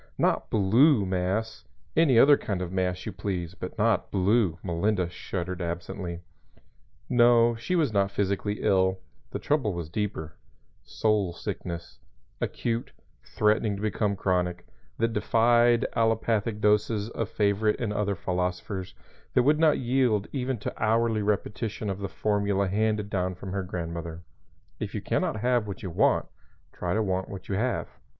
"Not blue mass. Any other kind of mass you please, but not blue," Melinda shuddered absently. No; she was not physically ill; the trouble was deeper soul sickness, acute, threatening to become chronic, that defied allopathic doses of favorite and other philosophers, that would not yield even to hourly repetition of the formula handed down from her grandmother "If you can not have what you want, try to want what you have."